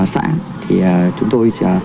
xã thì chúng tôi